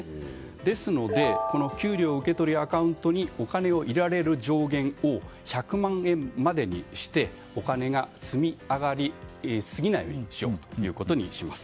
ですので、給料を受け取るアカウントにお金を受け取れる上限を１００万円までにしてお金が積み上がりすぎないようにしようということにします。